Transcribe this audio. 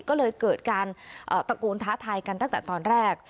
ก็เลยเกิดการตะโกนท้าทายกันตั้งแต่ตอนแรก